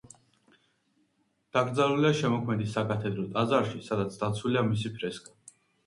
დაკრძალულია შემოქმედის საკათედრო ტაძარში, სადაც დაცულია მისი ფრესკა.